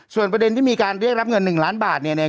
ส่วนประเด็นที่มีการเรียกรับเงิน๑ล้านบาทเนี่ย